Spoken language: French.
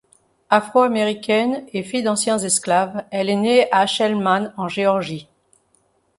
Afro-américaine et fille d'anciens esclaves, elle est née à Shellman en Géorgie.